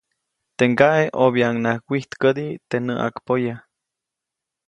Teʼ ŋgaʼe ʼobyaʼuŋnaʼajk wijtkädi teʼ näʼakpoya.